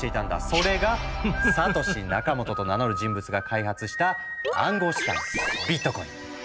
それがサトシ・ナカモトと名乗る人物が開発した暗号資産ビットコイン。